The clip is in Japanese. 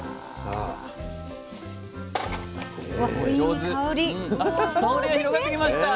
あ香りが広がってきました。